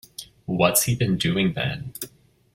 What's he been doing, then?